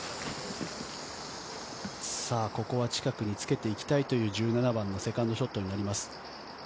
ここは近くにつけていきたいという１７番のセカンドショットになります。